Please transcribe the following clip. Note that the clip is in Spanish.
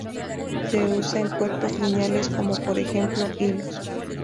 Se usa en cuerpos lineales como, por ejemplo hilos.